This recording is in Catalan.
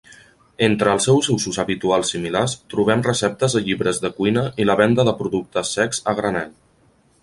Entre els usos habituals similars trobem receptes a llibres de cuina i la venda de productes secs a granel.